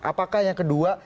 apakah yang kedua